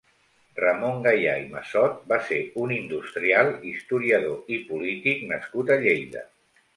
Ramon Gaya i Massot va ser un industrial, historiador i polític nascut a Lleida.